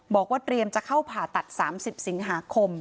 บอกว่าเตรียมจะเข้าผ่าตัด๓๐สิงหาคม